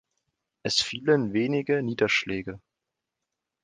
Es fielen wenige Niederschläge.